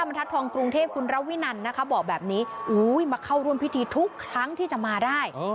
ทัศนทองกรุงเทพคุณระวินันนะคะบอกแบบนี้มาเข้าร่วมพิธีทุกครั้งที่จะมาได้